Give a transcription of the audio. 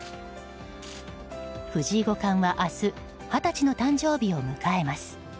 藤井五冠は明日二十歳の誕生日を迎えます。